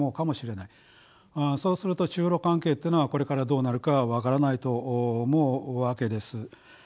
そうすると中ロ関係っていうのはこれからどうなるかは分からないと思うわけです。